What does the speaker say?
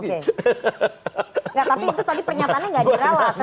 tapi itu tadi pernyatanya gak dirawat